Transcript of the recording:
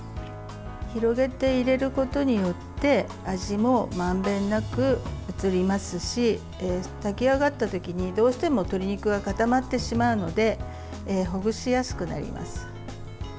広げて入れることによって味もまんべんなく移りますし炊き上がったときに、どうしても鶏肉が固まってしまうのでほぐしやすくなります。